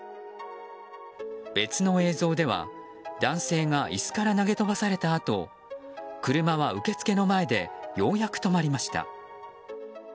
別の映像では男性が椅子から投げ飛ばされたあと車は受付の前でようやく止まりました。